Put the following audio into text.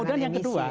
kemudian yang kedua